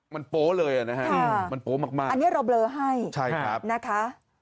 มันโป๊เลยอ่ะนะฮะมันโป๊มากอันนี้เราเบลอให้ใช่ครับนะคะ